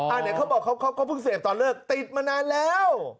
ไหนเขาบอกเขาเพิ่งเสพตอนเลิกติดมานานแล้ว